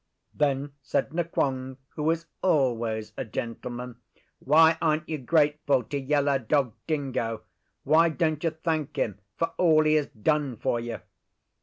Then said Nqong, who is always a gentleman, 'Why aren't you grateful to Yellow Dog Dingo? Why don't you thank him for all he has done for you?